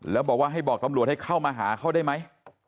แล้วบอกว่าให้บอกตำรวจให้เข้ามาหาเขาได้ไหม